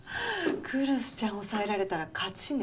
来栖ちゃん押さえられたら勝ちね。